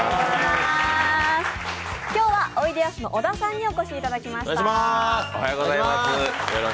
今日はおいでやす小田さんにお越しいただきました。